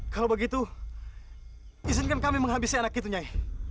kalau begitu izinkan kami menghabisi anak itu nyai